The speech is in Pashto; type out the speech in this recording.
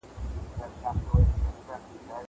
زه به مېوې وچولي وي!!